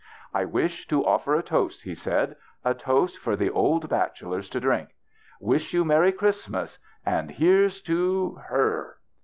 " I wish to offer a toast," he said, " a toast for the old bachelors to drink. Wish you merry Christmas and — and here's to her